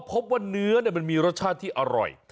พบว่าเนื้อมันมีรสชาติที่อร่อย